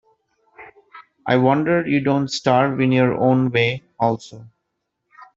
I wonder you don't starve in your own way also.